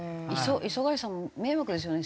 礒貝さんも迷惑ですよね。